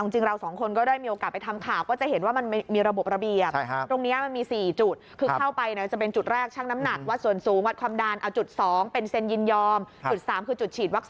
จริงเราสองคนก็ได้มีโอกาสไปทำข่าว